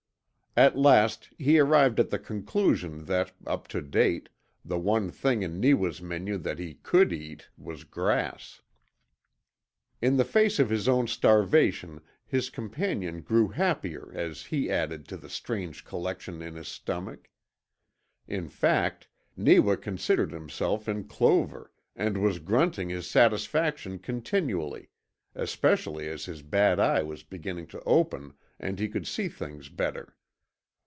At last he arrived at the conclusion that, up to date, the one thing in Neewa's menu that he COULD eat was grass. In the face of his own starvation his companion grew happier as he added to the strange collection in his stomach. In fact, Neewa considered himself in clover and was grunting his satisfaction continually, especially as his bad eye was beginning to open and he could see things better.